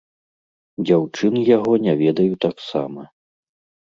Дзяўчын яго не ведаю таксама.